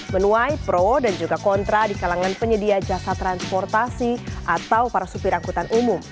menuai pro dan juga kontra di kalangan penyedia jasa transportasi atau para supir angkutan umum